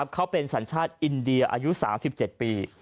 เขาเป็นสัญชาติอินเดียอายุ๓๗ปี